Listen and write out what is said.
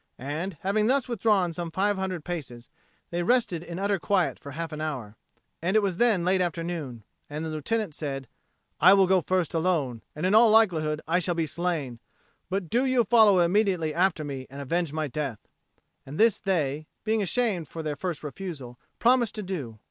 And, having thus withdrawn some five hundred paces, they rested in utter quiet for half an hour. And it was then late afternoon. And the Lieutenant said, "I will go first alone, and in all likelihood I shall be slain; but do you follow immediately after me and avenge my death." And this they, being ashamed for their first refusal, promised to do.